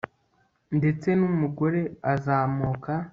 ndetse n'umugore azamuka